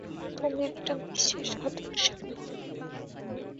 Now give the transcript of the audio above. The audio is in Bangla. তুমি একটা বিশ্বাসঘাতক স্বামী!